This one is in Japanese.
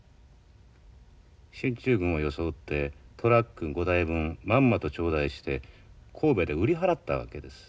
進駐軍を装ってトラック５台分まんまと頂戴して神戸で売り払ったわけです。